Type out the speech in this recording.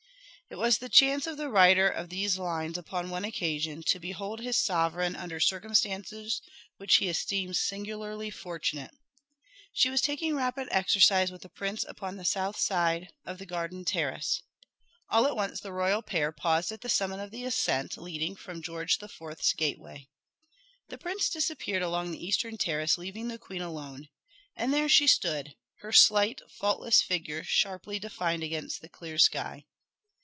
It was the chance of the writer of these lines upon one occasion to behold his sovereign under circumstances which he esteems singularly fortunate. She was taking rapid exercise with the prince upon the south side of the garden terrace. All at once the royal pair paused at the summit of the ascent leading from George the Fourth's gateway. The prince disappeared along the eastern terrace, leaving the queen alone. And there she stood, her slight, faultless figure sharply defined against the clear sky.